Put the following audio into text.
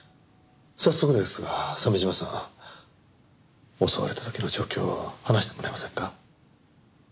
早速ですが鮫島さん襲われた時の状況を話してもらえませんか？